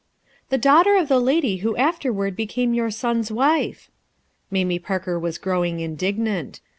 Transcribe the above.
*' "The daughter of the lady who afterward became your son's wife." Mamie Parker was growing indignant.